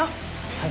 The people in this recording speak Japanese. はい。